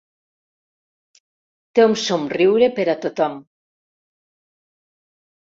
Té un somriure per a tothom.